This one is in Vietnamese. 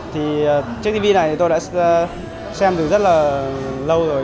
thì chiếc tv này tôi đã xem từ rất là lâu rồi